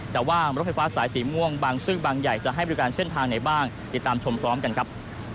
แต่ว่ารถไฟฟ้าสายสีม่วงบางซื่อบางใหญ่จะให้บริการเส้นทางไหนบ้างติดตามชมพร้อมกันครับ